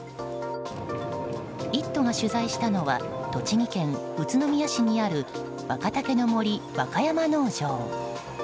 「イット！」が取材したのは栃木県宇都宮市にある若竹の杜、若山農場。